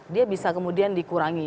dia bisa kemudian dikurangi